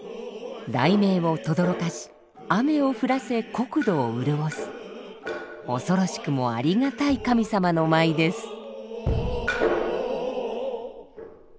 雷鳴をとどろかし雨を降らせ国土を潤す恐ろしくもありがたい神様の舞です。